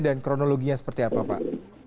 dan kronologinya seperti apa pak